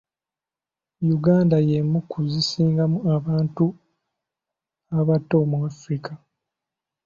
Uganda y'emu ku zisingamu abantu abato mu Africa.